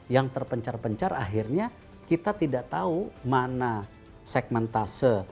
yang terpencar pencar akhirnya kita tidak tahu mana segmentase